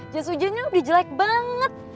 jas hujannya udah jelek banget